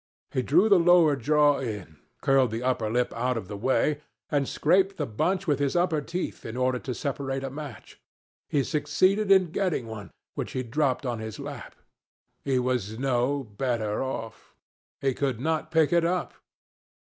He drew the lower jaw in, curled the upper lip out of the way, and scraped the bunch with his upper teeth in order to separate a match. He succeeded in getting one, which he dropped on his lap. He was no better off. He could not pick it up.